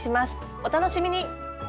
お楽しみに！